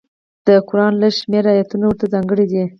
د قران لږ شمېر ایتونه ورته ځانګړي دي.